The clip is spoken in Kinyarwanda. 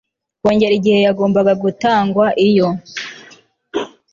kongera igihe yagombaga gutangwa iyo